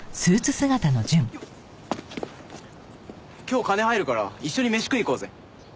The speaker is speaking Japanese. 今日金入るから一緒にメシ食いに行こうぜ。